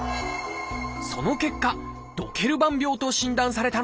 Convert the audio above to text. その結果「ドケルバン病」と診断されたのです。